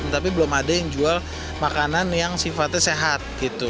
tapi belum ada yang jual makanan yang sifatnya sehat gitu